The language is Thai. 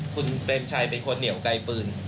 คุณเปรมชัยเป็นคนเหนียวไกลปืน